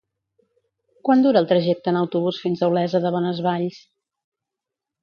Quant dura el trajecte en autobús fins a Olesa de Bonesvalls?